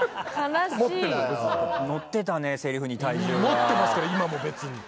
持ってますから今も別に。